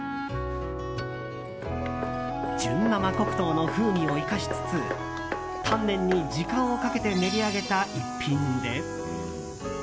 純生黒糖の風味を生かしつつ丹念に時間をかけて練り上げた逸品で。